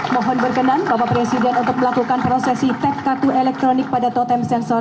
mohon berkenan bapak presiden untuk melakukan prosesi tap kartu elektronik pada totem sensor